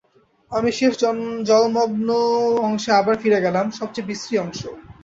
আমি শেষ জলমগ্ন অংশে আবার ফিরে গেলাম, সবচেয়ে বিশ্রী অংশ।